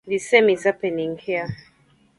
The same is happening here.